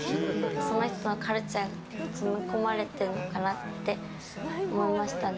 その人のカルチャーが含まれてるのかなって思いましたね。